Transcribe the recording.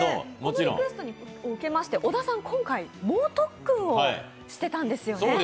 このリクエストをを受けまして小田さん、今回猛特訓をしてたんですよね。